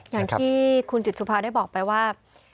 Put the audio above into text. อย่างที่คุณจิตสุภาได้บอกไปว่า